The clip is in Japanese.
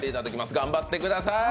頑張ってください。